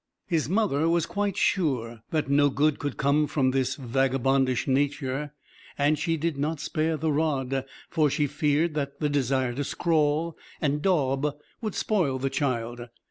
His mother was quite sure that no good could come from this vagabondish nature, and she did not spare the rod, for she feared that the desire to scrawl and daub would spoil the child.